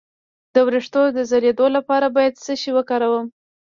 د ویښتو د ځلیدو لپاره باید څه شی وکاروم؟